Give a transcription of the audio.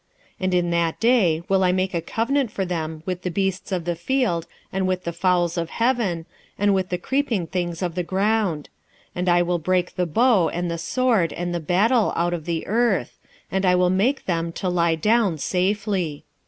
2:18 And in that day will I make a covenant for them with the beasts of the field and with the fowls of heaven, and with the creeping things of the ground: and I will break the bow and the sword and the battle out of the earth, and will make them to lie down safely.